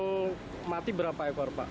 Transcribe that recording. yang mati berapa ekor pak